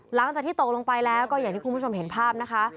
หลังจากที่ตกลงไปแล้วก็อย่างที่คุณผู้ชมเห็นภาพนะคะ